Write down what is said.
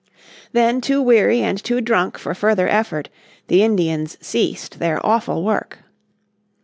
Then too weary and too drunk for further effort, the Indians ceased their awful work.